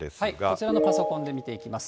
こちらのパソコンで見ていきます。